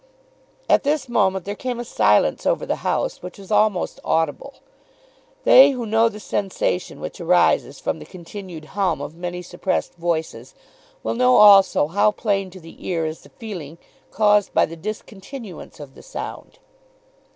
At this moment there came a silence over the House which was almost audible. They who know the sensation which arises from the continued hum of many suppressed voices will know also how plain to the ear is the feeling caused by the discontinuance of the sound.